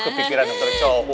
baru kepikiran yang tercobok tadi